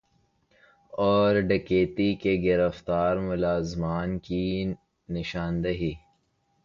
اور ڈکیتی کے گرفتار ملزمان کی نشاندہی